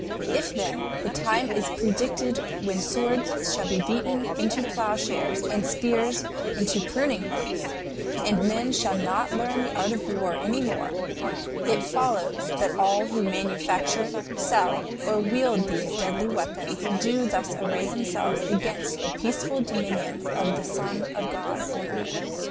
If, then, the time is predicted when swords shall be beaten into plowshares and spears into pruning hooks, and men shall not learn the art of war any more, it follows that all who manufacture, sell, or wield these deadly weapons do thus array themselves against the peaceful dominion of the Son of God on earth.